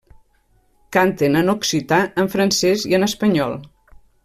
Canten en occità, en francès i en espanyol.